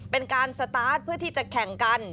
เป็นการสตาร์ทเพื่อที่จะแข่งกัน